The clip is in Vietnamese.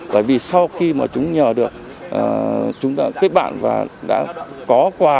bởi vì sau khi mà chúng nhờ được chúng ta kết bản và đã có quà